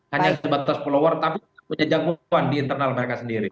hanya sebatas follower tapi tidak punya jagoan di internal mereka sendiri